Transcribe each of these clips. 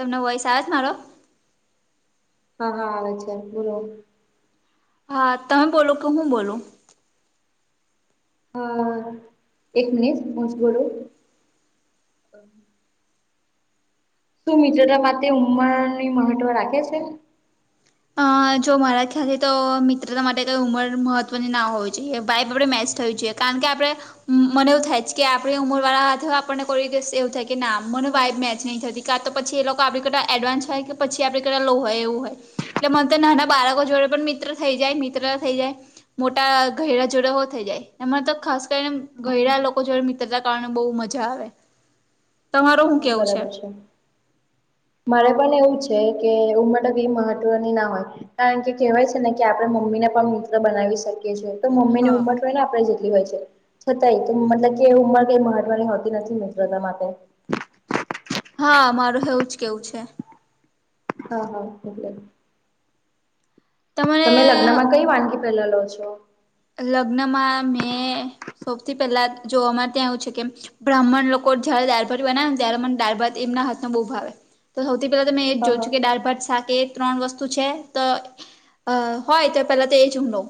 તમને વોઈસ આવે છ મારો? હા હા આવે છે બોલો. હા તમે બોલો કે હું બોલો? હા. એક મિનિટ [unintelligible] [inaudible] શું મિત્ર [unintelligible] ઉંમરની મહત્વ રાખે છે? અહ જો મારા ખ્યાલ તો મિત્રતા માટે કોઈ ઉંમર મહત્વની ના હોવી જોઈએ. વાઇબ જોડે મેચ થવી જોઈએ. કારણ કે આપડે મને એવું થાય જ કે આપણી ઉંમર વાળા હાથે આપણને [unintelligible] એવું થાય કે ના મને વાઈબ મેચ નહીં થતી. કાં તો પછી ઈ લોકો આપણી કરતાં એડવાન્સ હોય કે પછી આપણી કરતાં લો હોય એવું હોય. એટલે મન તો નાના બાળકો જોડે પણ મિત્ર થઈ જાય, મિત્ર થઈ જાય. મોટા ઘયરડાં જોડાઓ થઈ જાય. એમાં તો ખાસ [unintelligible] ઘયરડા હા લોકો જોડે મિત્રતા કારણે બહુ મજા આવે. તમાર હું કેવું છે? મારે પણ એવું છે કે ઉમટી મહત્વની ના હોય કારણ કે કહેવાય છે ને કે આપડે મમ્મીને પણ મિત્ર બનાવી શકીએ છીએ. તો મમ્મીની હા ઉંમર [unintelligible] આપણે જેટલી હોય છે છતાંય કે મતલબ કે ઉંમર કંઈ મહવાની હોતી નથી મિત્રતા માટે. હા હેવુ જ કેવું છે હા, હા એટલે. તમારે તમે લગ્ન માં કઈ વાનગી પેલા લો છો? લગ્નમાં મેં સૌથી પહેલાં જોવા માટે આવ્યું છે કેમ બ્રાહ્મણ લોકો જયારે દાળ ભાટ બનાવે ને ત્યારે મને દાળ ભાટ એમના હાથનો બહુ ભાવે. તો સૌથી પહેલાં એ જ હા જોઉ હા છું કે દાળ ભાત સાથે એ ત્રણ વસ્તુ છે, તો અ હોય તો પેલા તો એજ હું લઉ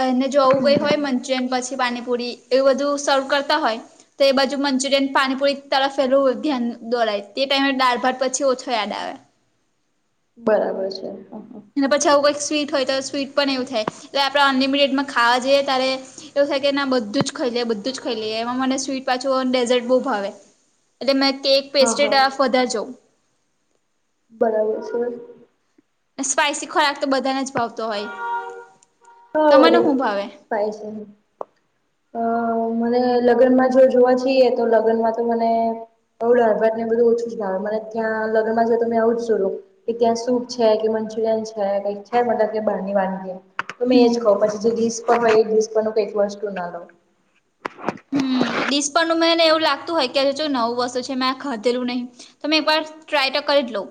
પેહલે જો એવું કઈ હોઈ મંચુરિયન પછી પાણીપુરી એવું બધું સર્વ કરતા હોય તો એ બાજુ મંચુરિયન પાણીપુરી તરફેલું ધ્યાન દોરાય તે ટાઈમે દાળભાટ પછી ઓછો યાદ આવે બરાબર છે હ હ અને પછી આવું કંઈક સ્વીટ હોય તો સ્વીટ પણ એવું થાય એટલે આપણે અનલિમિટેડમાં ખાવા જઈએ ત્યારે એવું થાય કે ના બધું જ ખાઈ લે બધું જ ખાઈ લઈએ એમાં મને સ્વીટ પાછું ડેઝર્ટ બહુ ભાવે. એટલે મે કેક હા પેસ્ટ્રે હા તરફ વધાર જઉ - બરાબર છે. સ્પાઈસી ખોરાક તો બધાને જ ભાવતો હોય. હ તમને વડી હું ભાવે થાય છે. અ મને લગ્નમાં જો જોવા જઈએ તો લગ્નમાં તો મને. આવું દાળભાત ને બધું જ ખાઈલ ઓછું જ ના મને ત્યાં પણ લગ્નમાં કે ત્યાં સૂપ છે કે મંચુરિયન છે, કઈક છે મતલબ કે બહારની વાનગી. તો મેએ હમ જ ખવ પછી જે ડીશ પર હોય એ ડીશ પરનું એક વસ્તુ ના લવ હમ્મ દિશ પરનું એવું લાગતું હોય કે જો નવું વસ્તુ છે મેં આ ખધેલું નહી. તો એકવાર ટ્રાય તો કરી જ લોઉ.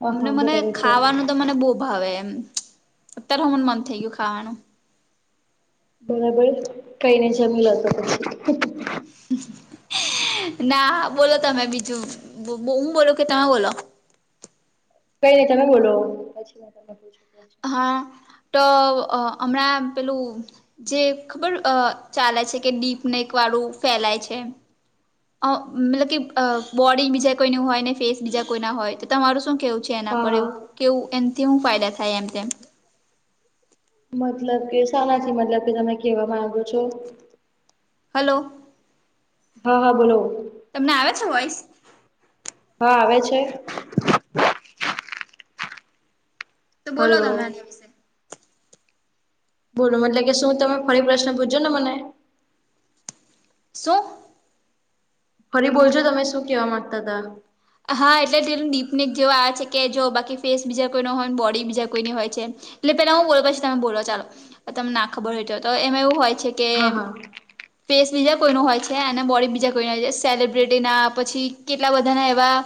હા હા મને બરાબર છે ખાવાનું તો મને બહુ ભાવે એમ અત્યારે હ મને મન થઈ ગયું ખાવાનું. બરાબર કઈ નહી જમીલા તો પછી ના બોલો તમે બીજું હુ બોલો કે તમે બોલો. પેહલે તમે બોલો હા. તો અહ હમણાં પેલું જે ખબર ચાલે છે કે ડીપને એક વાળું ફેલાય છે અહ મતલબ કે અહ બોડી બીજા કોઈ ની હોય ને ફેસ બીજા કોઈના હોય. તો તમારું શું કેવું જેના હા પર હા એવું કેવું એમથી હું ફાયદા થાય એમ તેમ મતલબ કે સનાથી મતલબ કે તમે કેહેવા માંગો છો. હલો. હા, હા બોલો. તમને આવે છે વોઈસ? હા આવે છે. તો બોલો હલો તમે આના વિશે બોલો મતલબ કે શું તમે ફરી પ્રશ્ન પૂછો ને મને. સું. ફરી બોલજો તમે શું કેવા માંગતા તા હા એટલે તેનું ડીપનેક જેવાો આ છે કે જો બાકી ફેસ બીજા કોઈનો હોય બોડી બીજા કોઈની હોય છે. એટલે પેલા હું બોલો પછી તમે બોલો ચાલો તમને ના ખબર હોય તો એમાં એવું હોય છે. હા કેમ. હા ફેસ બીજા કોઈું હોય છે અને બોડી બીજા કોઈ હોય છે સેલિબ્રિટી ના પછી કેટલા બધાના એવા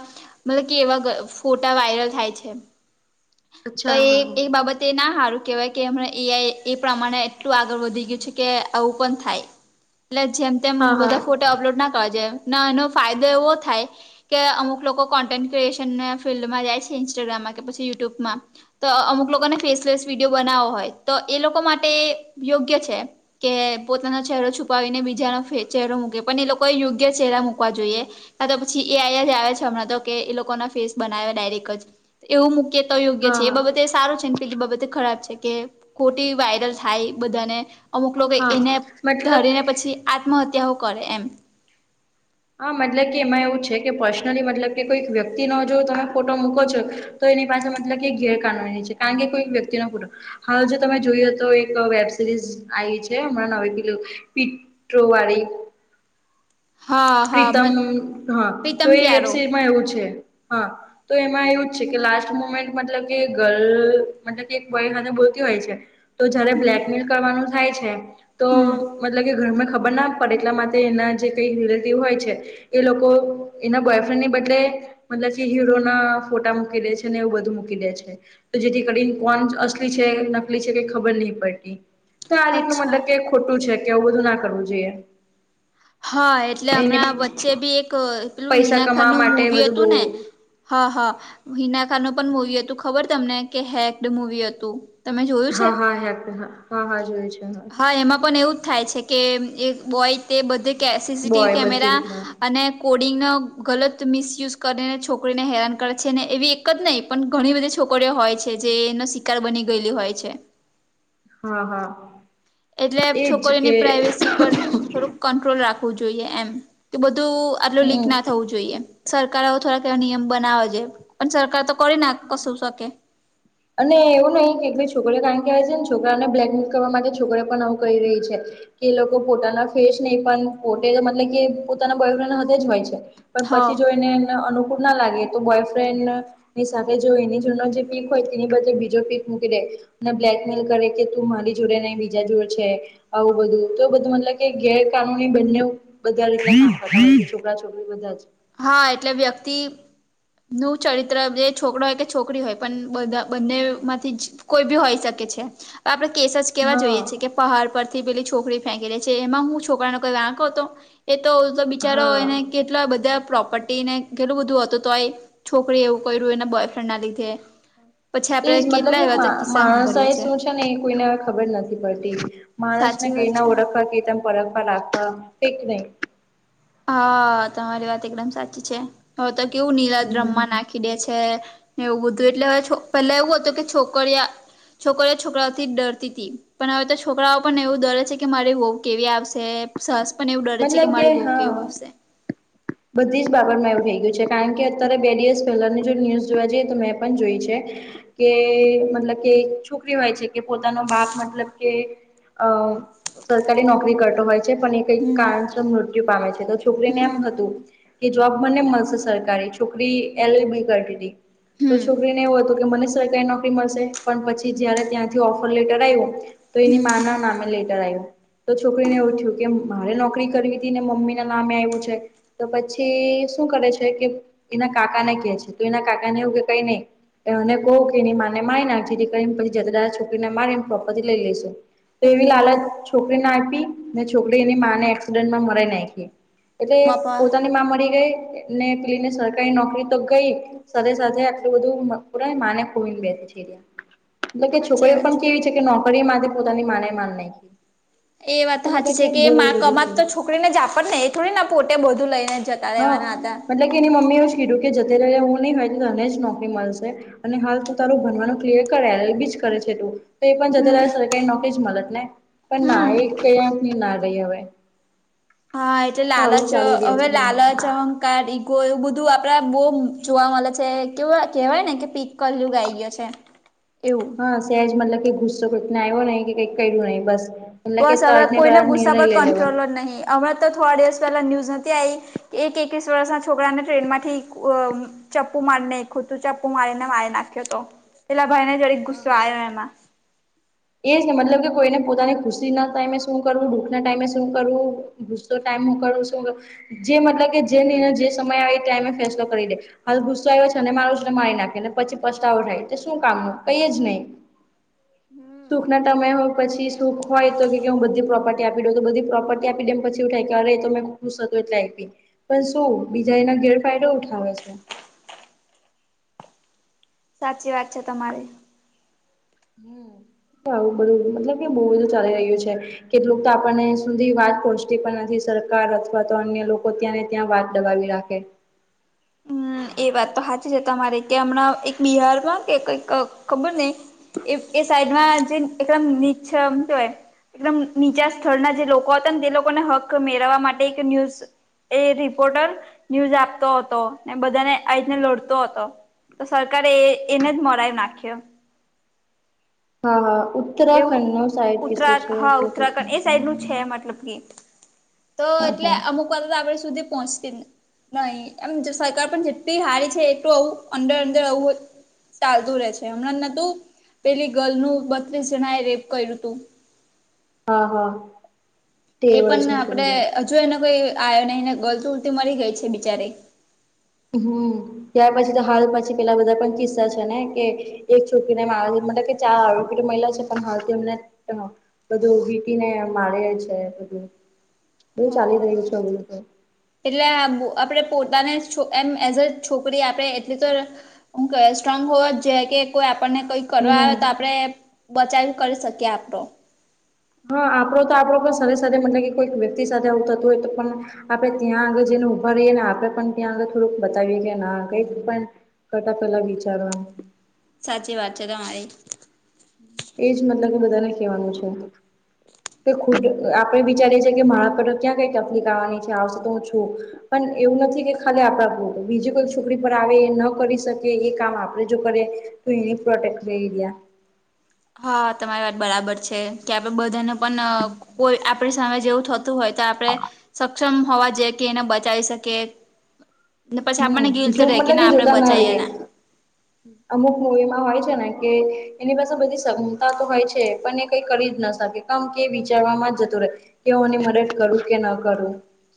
મતલબ કે એવા ફોટા વાયરલ થાય છે. તો અચ્છા એ એક હા બાબત. તે ના હારું કેહેવાય કે એમ એ આ એ પ્રમાણે એટલું આગળ વધી ગયું છે કે આવું પણ થાય. એટલે જેમ તેમ હા બધા હા ફોટો અપલોડ ના કરવા જાય એનો ફાયદો એવો થાય. કે અમુક લોકો કોન્ટેન્ટ ક્રિએશન ફિલ્ડમાં જાય છે ઇન્સ્ટાગ્રામમાં કે પછી યુટ્યુબમાં. તો અમુક લોકોને ફેસલેસ વિડીયો બનાવો હોય તો એ લોકો માટે યોગ્ય છે. કે પોતાનો ચહેરો છુપાવીને બીજાનો ચહેરો મૂકે પણ એ લોકોએ યોગ્ય ચહેરા મુૂકવા જોઈએ. કા તો પછી એ અયા જ આવે છે હમણાં તો કે એ લોકો ના ફેસ બનાવે ડાયરેક્ટ જ. એવું મુૂક્ય તો યોગ્ય છે એ બાબતે એ હા સારું છે. પેલી બાબતે ખરાબ છે કે ખોટી વાયરલ થાય બધાને. અમુક લોકો હા એને મતલબ ધરીને પછી આત્મહત્યાઓ કરે એમ. હા મતલબ કે એમાં એવું છે કે પર્સનલી મતલબ કે કોઈક વ્યક્તિ નો જો તમે ફોટો મૂકો છો. તો એની પાસે મતલબ ગેરકાનૂની છે કારણ કે કોઈ વ્યક્તિ ન ફોટો. હાલ જે તમે જોયએ તો એક વેબ સિરીઝ આઇ છે હમણાં ન‌ઇ પેલું પીક. ડો વારી. હા હા મ પ્રીતમ હા તો પ્રીતમ એ પ્યારો વેબસીરીમાં એવું છે હા. તો એમાં એવું જ છે કે લાસ્ટ મુમેન્ટ મતલબ કે ગર્લ મતલબ કે એક બોય સાથે બોલતી હોય છે. તો જયારે હમ બ્લેકમેલ કરવાનું થાય છે. તો હમ મતલબ કે ઘરમે ખબર ના પડે એટલા માટે એના જે કઈ રિલેટીવ હોય છે. એ લોકો એના બોયફ્રેન્ડની બદલે મતલબ જે હીરો ના ફોટા મૂકી દે છે ને એવું બધું મૂકી દે છે. તો જેથી કરી કોન અસલી છે નકલી છે કે ખબર નહી પડતી. તો આ રીતનું અચ્છા મતલબ કે ખોટું છે કે આવવું બધું ના કરવું જોઈએ. હા એટલે એને હમણાં વચ્ચે બી એક પેલું પૈસા હિના ખાન કમાવા નું માટે મુવી બધું હતું ને બહુ હા હા હિના ખાન નુ પણ મુવી હતું ખબર તમને કે હેકડ મુવી હતું તમે જોયું છે હા હા હા હા હા જોયું છે હા એમાં પણ એવું જ થાય છે. કે એક બોય તે બધે કે સીસીટીવી બોય બધી કેમેરા રીતના અને. કોડિંગનો ગલત મિસયુઝ કરીને છોકરીને હેરાન કરે છે ને એવી એક જ નહીં. પણ ઘણી બધી છોકરીઓ હોય છે જેનો શિકાર બની ગયેલી હોય છે. હા હા. એટલે એજ કે છોકરીની પ્રાઈવેસી પર. થોડુંક કંટ્રોલ રાખવું જોઈએ એમ કે બધું આટલું લીક હમ ના થવું જોઈએ સરકાર થોડાક એવો નિયમ બનાવે છે પણ સરકાર તો હા. હ [unintelligible] અને એવું નહી કે ભાઈ છોકરે કારણ કેહે આવે છે ને, છોકરાને બ્લેકમેલ કરવા માટે છોકરે પણ આવું કરી રહી છે. કે લોકો પોતાના ફેસ નહી પણ પોતે મતલબ કે પોતાના બોયફ્રેન્ડ હાથે જ હોય છે. પણ હ પછી જો હા એને અનુકૂળ ના લાગે તો બોયફ્રેન્ડ એની સાથે જો એની જ જે પીક હોય તે એની બદલે બીજો પીક મૂકી દે. ને બ્લેકમેલ કરે કે તું મારી જોડે બીજા જોડે છે. આવું બધું તો એ બધું મતલબ કે ગેરકાનૂની બનેઉ. બધારે છોકરા છોકરી બધા જ. હા એટલે વ્યક્તિ. નું ચરિત્ર જે છોકરા હોય કે છોકરી હોય પણ બધા બંને માંથી જ કોઈ બી હોઈ શકે છે હવે આપણે કેસ જ કેવા જોઈએ હા છે કે પહાડ પરથી પેલી છોકરી ફેંકી દે છે, એમાં હું છોકરાનેઈ વાંક હતો એ તો તો બિચારા હા હોય ને કેટલા બધા પ્રોપર્ટી ને કેેટલું બધું હતું તો છોકરી એવું કર્યું એના બોયફ્રેન્ડ ના લીધે. પછી એ આપડે જ મતલબ કેટલા એવા કે તો કિસ્સા માણસ સાંભળીએ એ શું છે ને એ કોઈને ખબર નથી પડતી. માણસને સાચી કે વાત એને છે. ઓળખવા કેતાને પરખવા લાગવા ક નહી હા તમારી વાત એકદમ સાચી છે, હવે તો કેવું નીલા હમ ડ્રમમા નાખ નાખી દે છે ને એવું બધું, એટલે હવે પેલા એવું હતું કે છોકરીયા છોકરી છોકરાઓથી ડરતી હતી, પણ હવે તો છોકરાઓ પણ એવું ડરે છે કે મારી વોવ કેવી આવશે સાસ પણ એવું ડરે છે કે મતલબ મારે બહુ હા કેવું આવશે. બધી જ બાબત મેવું થઈ ગયું છે કારણ કે, અત્યારે બે દિવસ પહેલાની જો ન્યૂઝ જોવા જઈએ તો મેં પણ જોય છે કે મતલબ કે છોકરીઓ હોય છે પોતાનો બાપ મતલબ કે અ સરકારી નોકરી કરતો હોય છે પણ એ કઈક હમ કારણસર મૃત્યુ પામે છે તો છોકરીને હમ એમ હતું કે જોબ મને મળશે સરકારી, છોકરી એલ એલ બી કરતી હતી. તો હમ છોકરીને એવું હતું કે મને સરકારી નોકરી મળશે, પણ પછી જયારે ત્યાંથી ઓફર લેટર આવ્યો. તો એની હમ મા ના નામે લેટર આવ્યું, તો છોકરીને એવું થયું કે મારે નોકરી કરવી હતી ને મમ્મી ના નામે આવ્યું છે તો પછી શું કરે છે કે એના કાકાને કે છે, તો એના કાકાને એવું કે કઈ નહી એને કહું કે એની માને મારી નાખે જેથી કરી પછી જદા છોકરીને મારીને પ્રોપર્ટી લઈ લઈશું. તો એવી ઓહો લાલચ છોકરીને આપી, ને છોકરી એની માને એક્સિડન્ટમાં મરાઈ નાખી એટલે બાપા પોતાની મા મરી ગઈ, એને પેલી ને સરકારી નોકરી તો ગઈ સાથે સાથે આલું બધું પરા માને ખોવીને બેસી જીવન. મલબ કે સાચી છોકરીઓ વાત પણ કેવી છે કે નોકરી માટે પોતાની માને માર નાખી. એ વાત તો સાચી મતલબ છે કે બહુ મા બધું કમાત છે તો છોકરીને જ આપડ ને એ થોડી ના પોતે બધું લઈને જત હા મતલબ કે એની મમ્મી એવ જ કીધું કે જતે રહેલે હું નહી હોય તો તને જ નોકરી મળશે. અને હાલ તું તારું ભનવાનું ક્લિયર કરે એલ બી જ કરે છે તું તો એ પણ હમ જ સરકારી નોક મળત ને પણ ના હમ એ કયાક ની ના રહી હવે. હા એટલે તો આવું લાલચ ચાલી રહ્યું હવે છે બંને લાલચ, અહંકાર, ઈગો બધું આપડા બહુ જોવા મળે છે કે કેહેવાય ને કે પી કરલું ગાઈ ગયો છે. એવું હા સેજ મતલબ કે ગુસ્સો કઈ આવ્યો નહી કે કઈક કર્યું નહી બસ કે બસ હવે તરત ને કોઈના તરત ગુસ્સા નિર્ણય પર લઈ લેવા કંટ્રોલ નહી, હમણાં તો થોડા દિવસ પહેલા ન્યૂઝ નથી આવી એક એકવીસ વર્ષના છોકરાને ટ્રેનમાંથી અ અ ચપ્પુ મારીનેખું હતું ચપ્પુ મારીને મારી નાખ્યો હતો, પેલા ભાઈ ને હા હા એ એ જ ને મતલબ કે કોઈને પોતાની ખુશી ના ટાઈમે શું કરવું, દુઃખ ના ટાઈમે શું કરવું ગુસ્સો ટાઈમ હું શું જે મતલબ કે જે જે સમય આવે એ ટાઈમે ફેસલો કરી દે. હાલ ગુસ્સો આવ્યો છે અને મારું ને મારી નાખે ને, પછી પસ્તાવો થાય તો તે શું કામનું કઈ જ નહીં હમ્મ સુખ ના સમય હોય પછી સુખ હોય તો કે હું બધી પ્રોપર્ટી આપી દઉં, તો બધી પ્રોપર્ટી એ આપી દેમ પછી થાય કે અરે તો મેં ખુશ હતી એટલે આયપી. એ શું બીજા એના ગેરફાયદા ઉઠાવે છે. સાચી વાત છે તમારી. હમ્મ આવું બધું મતલબ કે બહુ બધું ચાલી રહ્યું છે. કેટલુંક તો આપણને સુધી વાત પહોચતી પણ નથી, સરકાર અથવા તો અન્ય લોકો ત્યાં ત્યાં વાત દબાવી રાખે. હમમ એ વાત તો હાચી છે તમારી કે હમણાં એક બિહારમાં કે કઈક ખબર ની એ એ સાઈડમાં જે એકદમ નીચમ હું કેવાય એકદમ નીચા સ્થળના જે લોકો હતા ને તે લોકોને હક મેળવવા માટે એક ન્યૂઝ એ રિપોર્ટર ન્યૂઝ આપતો હતો. ને બધાને આ રીત ને લડતો હતો તો સરકારે એને જ મરાવી નાખ્યો. હા હા એવું ઉત્તરાખંડ નો સાઈડ કિસ્સો ઉત્તરા છે હા એ ઉત્તરાખંડ ઘટના છે. સાઈડ નું છે એ મતલબ થી તો હા એટલે હા અમુક વાતો તો આગળ સુધી પહોંચતી ની. નય એમ જ સરકાર પણ જેટલી હારી છે એટલું આવું અંદર અંદર આવું ચાલતું રે છે હમણાં નતું પેલી ગર્લ નું બત્રીસ જણા એ રેપ કયરૂ તું. હા હા તેર વર્ષની છોકરી નું. જોય ને કોઈ આવ્યો નય ને ગલ તો ઉલટી મરી ગઈ છે બિચારી. હમમ ત્યાર પછી તો હાલ પછી પેલા બધા પણ કિસ્સા છે ને કે એક છોકરીને મા મતલબ કે ચાર આરોપી મહિલા છે પણ હાલ તેમને બધું વીટીને મારે છે બધું બો ચાલી હા રહ્યું છે બધું. એટલે આ આપણે પોતાને એમ એઝ અ છોકરી આપે એટલી તો હું કેવાય સ્ટ્રોંગ હોવા જ જોઈએ કે કોઈ આપણને કઈ હમ કરવા આવે તો હમ. આપણે બચાવ કરી શકીએ આપડો. હા આપડો તો આપડો પણ સરીર સાથે મતલબ કે કોઈક વ્યક્તિ સાથે આવું થતું હોય તો પણ આપડે ત્યાં આગળ જય ને ઊભા રહીએ ને આપણેે પણ ત્યાં આગળ થોડુંક બતાવીએ કે ના કઈ પણ કરતા પેલા વિચારે એમ. સાચી વાત છે. [unintelligible] એજ મતલબ બધાને કેવાનું છે. તો ખુદ આપડે વિચારીએ છીએ કે મારા પર ક્યાં કઈ તકલીફ આવવાની છે આવશે તો હું છું. પણ એવું નથી કે ખાલી આપણા પર બીજી કોઈ છોકરી પર આવે એ ન કરી શકે એ કામ આપણેે જો કરયે. તો એની પ્રોટેક્ટ [unintelligible] હા તમારી વાત બરાબર છે કે આપડે બધાને પણ અ કોઈ આપણી સામે જેવું થતું હોય તો આપણે સક્ષમ હોવા જેઈએ કે એને બચાવી શકીએ. [inaudible] હમમ. આપણને ગિલ્ટ જો રહે મતલબ કે આપણે જોતા ના બચાઈએ રહીએ. અમુક મૂવીમાં હોય છે ને કે એની પાસે બધી ક્ષમતા તો હોય છે પણ એ કઈ કરી જ ન શકે. પણ કે વિચારવામાં જતું રેય કે તેઓ ની મદદ કરું કે ન કરુ.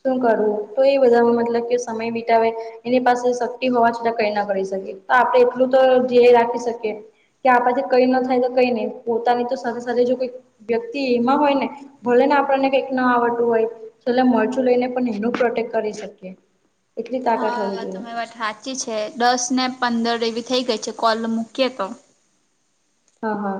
શું કરવું તો એ બધા મતલબ કે સમય બિતાવેે એની પાસે શક્તિ હોવા છતાં કઈ ના કરી શકીએ તો આપણે એટલું તો ધ્યેય રાખી શકીએ કે આપડા થી કઈ ના થાય તો કય ની પોતાની તો સાથે સાથે જો કોઈ વ્યક્તિ એમાં હોય ને ભલે ને આપણને કંઈક ના આવડતું હોય છેલ્લે મરચું લઈને પણ એનું પ્રોટેક્ટ કરી શકીએ. એટલી તાકાત હોવી હા જોઈએ તમારી વાત હાચી છે દસ ને પંદર એવી થઈ ગઈ છે કોલ મૂકીએ તો. હા હા.